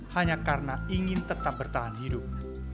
hanya karena ingin tetap bertahan hidup